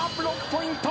６ポイント。